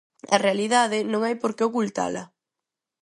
A realidade non hai por que ocultala.